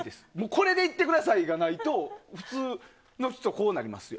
これでいってくださいがないと普通の人はこうなりますよ。